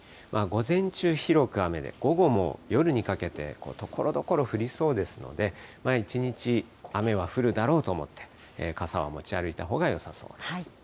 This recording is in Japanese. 午前中、広く雨で、午後も夜にかけてところどころ降りそうですので、一日雨は降るだろうと思って、傘は持ち歩いたほうがよさそうです。